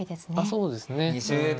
そうですね。